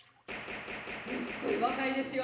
すっごい若いですよ。